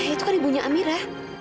itu kan ibunya amira